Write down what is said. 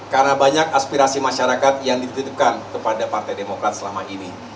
karena banyak aspirasi masyarakat yang dititipkan kepada partai demokrat selama ini